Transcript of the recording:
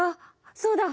そうだ！